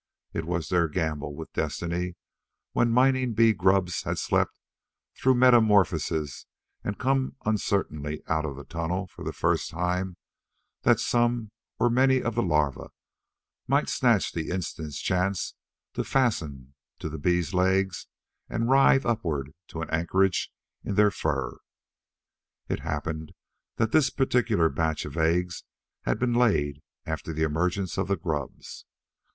It was their gamble with destiny when mining bee grubs had slept through metamorphosis and come uncertainly out of the tunnel for the first time, that some or many of the larvae might snatch the instant's chance to fasten to the bees' legs and writhe upward to an anchorage in their fur. It happened that this particular batch of eggs had been laid after the emergence of the grubs.